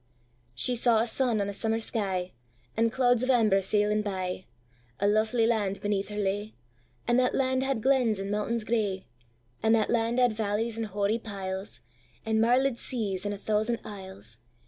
She saw a sun on a summer sky, And clouds of amber sailing bye;A lovely land beneath her lay, And that land had glens and mountains gray; And that land had valleys and hoary piles, And marléd seas, and a thousand isles.